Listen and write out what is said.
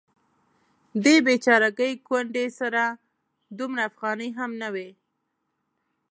دې بیچارګۍ کونډې سره دومره افغانۍ هم نه وې.